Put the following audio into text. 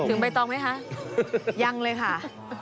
ถึงไปต่อไหมคะยังเลยค่ะ